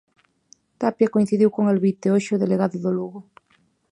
Tapia coincidiu con Alvite, hoxe o delegado do Lugo.